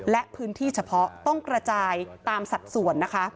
และพื้นที่เฉพาะต้องกระจายตามสัดส่วนนะคะ